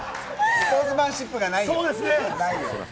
スポーツマンシップないよ。